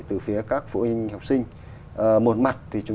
từ phía các phụ huynh